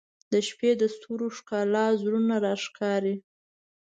• د شپې د ستورو ښکلا زړونه راښکاري.